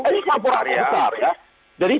ini korporasi besar ya